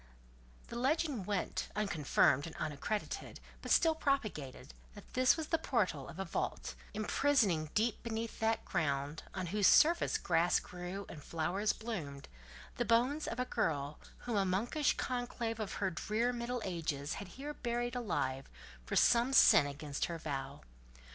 The legend went, unconfirmed and unaccredited, but still propagated, that this was the portal of a vault, imprisoning deep beneath that ground, on whose surface grass grew and flowers bloomed, the bones of a girl whom a monkish conclave of the drear middle ages had here buried alive for some sin against her vow.